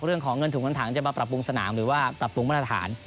เรื่องของเงินถุงเงินถังจะมาปรับปรุงสนามหรือว่าปรับปรุงมาตรฐาน